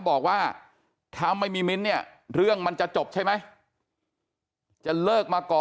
บอกว่าถ้าไม่มีมิ้นท์เนี่ยเรื่องมันจะจบใช่ไหมจะเลิกมาก่อน